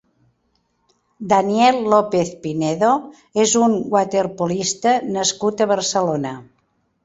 Daniel López Pinedo és un waterpolista nascut a Barcelona.